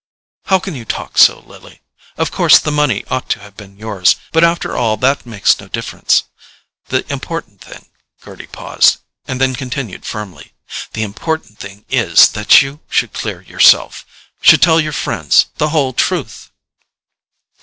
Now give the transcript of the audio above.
"How can you talk so, Lily? Of course the money ought to have been yours, but after all that makes no difference. The important thing——" Gerty paused, and then continued firmly: "The important thing is that you should clear yourself—should tell your friends the whole truth."